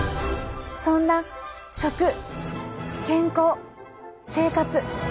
そんな食健康生活。